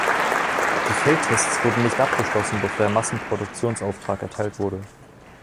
Die Feldtests wurden nicht abgeschlossen, bevor der Massenproduktionsauftrag erteilt wurde.